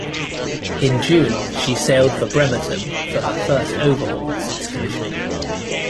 In June, she sailed for "Bremerton" for her first overhaul since commissioning.